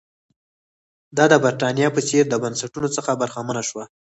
دا د برېټانیا په څېر بنسټونو څخه برخمنه شوه.